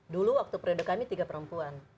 dulu waktu periode kami tiga perempuan